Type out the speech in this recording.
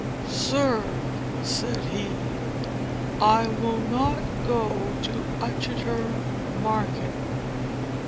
"Sir," said he, "I will not go to Uttoxeter market!"